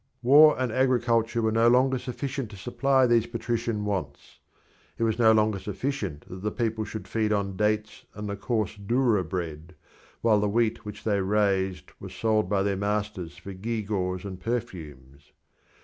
War and agriculture were no longer sufficient to supply these patrician wants. It was no longer sufficient that the people should feed on dates and the coarse doura bread, while the wheat which they raised was sold by their masters for gewgaws and perfumes.